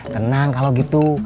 tenang kalau gitu